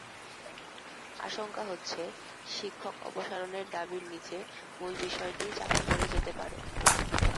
আশঙ্কা হচ্ছে, শিক্ষক অপসারণের দাবির নিচে মূল বিষয়টিই চাপা পড়ে যেতে পারে।